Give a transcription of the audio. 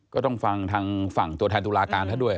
ก็ต้องฟังทางฝั่งตัวแทนตุลาการท่านด้วย